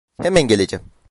Hemen geleceğim.